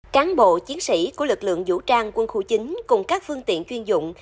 cán bộ chiến sĩ của lực lượng vũ trang quân khu chín cùng các phương tiện chuyên dụng